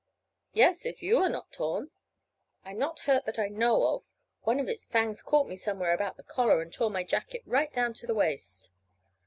"Yes, if you are not torn." "I'm not hurt that I know of. One of its fangs caught me somewhere about the collar and tore my jacket right down to the waist."